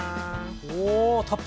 おたっぷり！